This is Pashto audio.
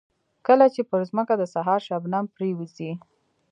کله چې پر ځمکه د سهار شبنم پرېوځي.